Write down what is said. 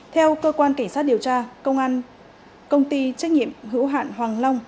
theo cơ quan cảnh sát điều tra công an công ty trách nhiệm hữu hạn hoàng long